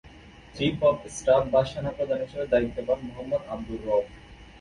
Chief of staff বা সেনাপ্রধান হিসেবে দায়িত্ব পান মোহাম্মদ আবদুর রব।